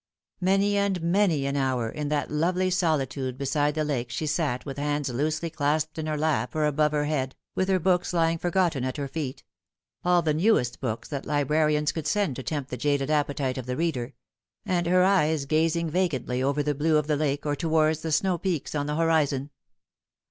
Many and many an hour in that lovely solitude beside the lake she sat with hands loosely clasped in her lap or above her head, with her books lying forgotten at her feet all the newest books that librarians could send to tempt the jaded appetite of the reader and her eyes gazing vacantly over the blue of the lake or towards the snow peaks on the horizon.